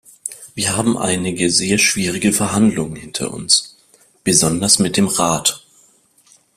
Wir haben einige sehr schwierige Verhandlungen hinter uns, besonders mit dem Rat.